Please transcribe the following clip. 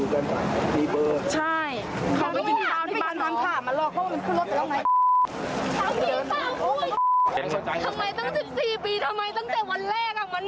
กลับไปลองกลับ